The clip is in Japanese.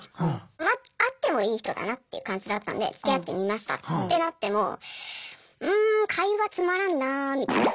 まあ会ってもいい人だなっていう感じだったんでつきあってみましたってなってもうん会話つまらんなぁみたいな。